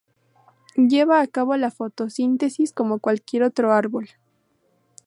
Lleva a cabo la fotosíntesis como cualquier otro árbol.